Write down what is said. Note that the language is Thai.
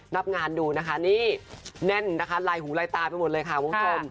รับงานดูนะคะนี่แน่นนะคะลายหูลายตาไปหมดเลยค่ะคุณผู้ชม